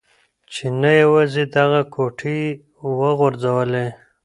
چې نه یوازې دغه کوټې يې و غورځولې.